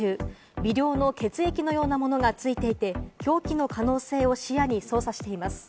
微量の血液のようなものが付いていて、凶器の可能性を視野に捜査しています。